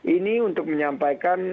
ini untuk menyampaikan